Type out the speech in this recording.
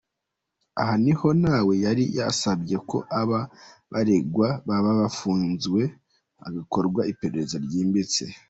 Aha niho nawe yari yasabye ko aba baregwa baba bafunzwe hagakorwa iperereza ryimbitse.